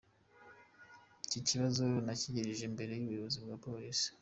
Iki kibazo nakigejeje imbere y’umuyobozi wa Polisi”.